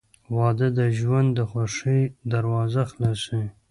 • واده د ژوند د خوښۍ دروازه خلاصوي.